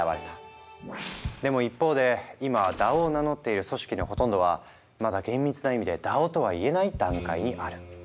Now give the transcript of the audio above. でも一方で今ＤＡＯを名乗っている組織のほとんどはまだ厳密な意味でＤＡＯとは言えない段階にある。